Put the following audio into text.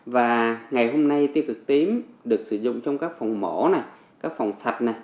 và ngày hôm nay tia cực tím được sử dụng trong các phòng mổ các phòng sạch